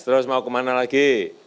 terus mau kemana lagi